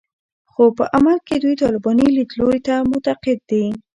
خو په عمل کې دوی طالباني لیدلوري ته معتقد دي